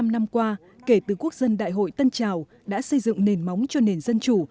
bảy mươi năm năm qua kể từ quốc dân đại hội tân trào đã xây dựng nền móng cho nền dân chủ